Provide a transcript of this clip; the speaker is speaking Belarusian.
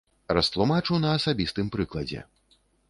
Растлумачу на асабістым прыкладзе.